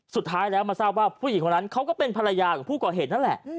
สุดท้ายแล้วมาทราบว่าผู้หญิงคนนั้นเขาก็เป็นภรรยาของผู้ก่อเหตุนั่นแหละ